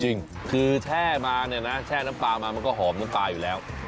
จริงคือแช่มาเนี่ยนะแช่น้ำปลามามันก็หอมน้ำปลาอยู่แล้ว